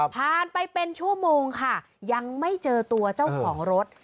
ผ่านไปเป็นชั่วโมงค่ะยังไม่เจอตัวเจ้าของรถ